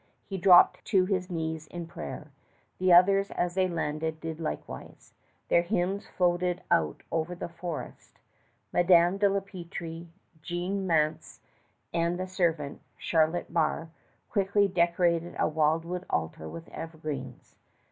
He dropped to his knees in prayer. The others as they landed did likewise. Their hymns floated out on the forest. Madame de la Peltrie, Jeanne Mance, and the servant, Charlotte Barré, quickly decorated a wildwood altar with evergreens.